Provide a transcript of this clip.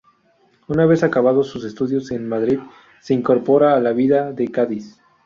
Una vez acabados sus estudios en Madrid, se incorpora a la vida de Cádiz.